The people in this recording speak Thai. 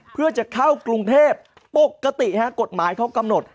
เพื่อจะเข้ากรุงเทพปกติกฎหมายเขากำหนด